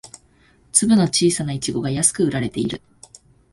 粒の小さなイチゴが安く売られている